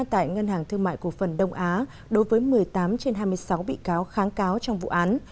tại ngân hàng thương mại cổ phần đông á đối với một mươi tám trên hai mươi sáu bị cáo kháng cáo trong vụ án